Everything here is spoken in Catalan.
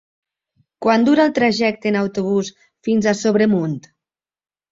Quant dura el trajecte en autobús fins a Sobremunt?